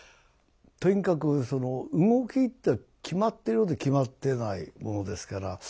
とにかくその動きって決まってるようで決まってないものですから。